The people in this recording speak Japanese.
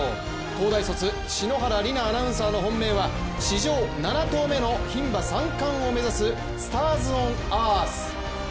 東大卒、篠原梨菜アナウンサーの本命は史上７頭目の牝馬三冠を目指すスターズオンアース。